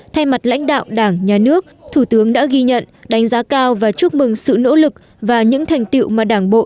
thay mặt lãnh đạo đảng nhà nước thủ tướng đã ghi nhận đánh giá cao và chúc mừng sự nỗ lực và những thành tiệu mà đảng bộ